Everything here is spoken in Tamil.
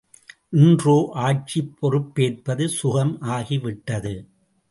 இன்றோ ஆட்சிப் பொறுப்பேற்பது சுகம் ஆகி விட்டது.